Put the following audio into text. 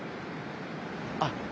あっ！